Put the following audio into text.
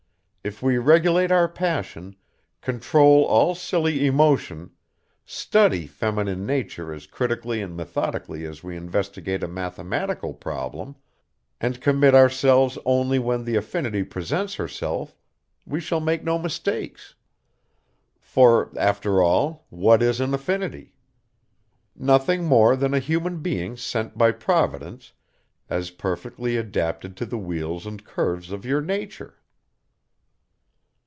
If we regulate our passion, control all silly emotion, study feminine nature as critically and methodically as we investigate a mathematical problem, and commit ourselves only when the affinity presents herself, we shall make no mistakes. For, after all, what is an affinity? Nothing more than a human being sent by Providence as perfectly adapted to the wheels and curves of your nature."